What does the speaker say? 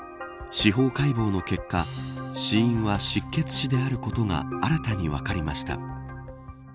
司法解剖の結果死因は失血死であることが新たに分かりました。